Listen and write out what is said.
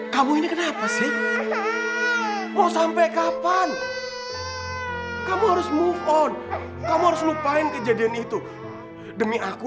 kamu ini kenapa sih oh sampai kapan kamu harus move on kamu harus lupain kejadian itu demi aku